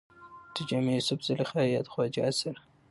د جامي يوسف زلېخا يا د خواجه اثر